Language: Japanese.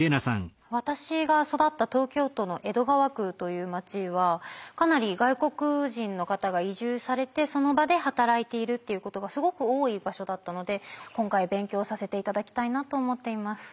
私が育った東京都の江戸川区という街はかなり外国人の方が移住されてその場で働いているっていうことがすごく多い場所だったので今回勉強させて頂きたいなと思っています。